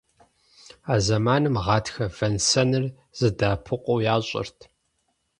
А зэманым гъатхэ вэн-сэныр зэдэӀэпыкъуу ящӀэрт.